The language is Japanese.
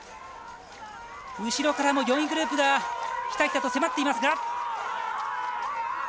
後ろからも４位グループがひたひたと迫っていますが。